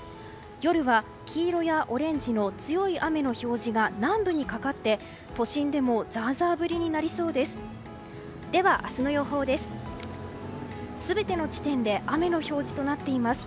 夜は、黄色やオレンジの強い雨の表示が南部にかかって、都心でもザーザー降りになりそうです。